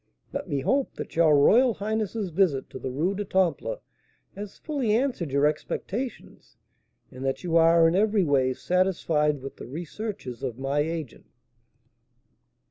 Let me hope that your royal highness's visit to the Rue du Temple has fully answered your expectations, and that you are in every way satisfied with the researches of my agent?"